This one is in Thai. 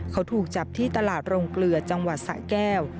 เขาถูกจับที่ตลาดโรงเกลือจังหวัดสะแก้ว